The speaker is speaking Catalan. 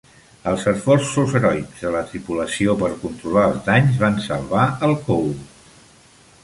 Els esforços heroics de la tripulació per controlar els danys van salvar el "Cole".